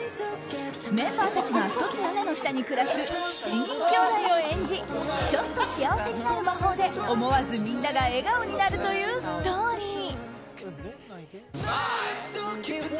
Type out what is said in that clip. メンバーたちが一つ屋根の下に暮らす７人兄弟を演じちょっと幸せになる魔法で思わずみんなが笑顔になるというストーリー。